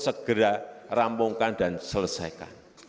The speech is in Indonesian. segera rampungkan dan selesaikan